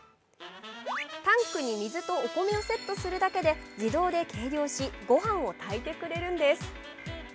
タンクに水とお米をセットするだけで自動で計量し、ごはんを炊いてくれるんです。